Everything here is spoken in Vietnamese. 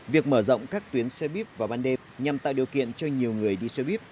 việc mở rộng các tuyến xe buýt vào ban đêm nhằm tạo điều kiện cho nhiều người đi xe buýt